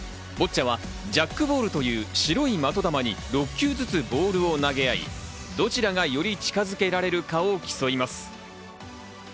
ボッチャはジャックボールという白い的球に６球ずつボールを投げ合い、どちらがより近づけられるかを競います。